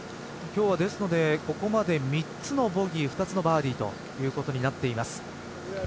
今日は、ですのでここまで３つのボギー２つのバーディーということになっています。